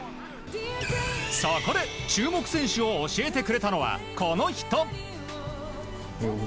そこで注目選手を教えてくれたのは、この人。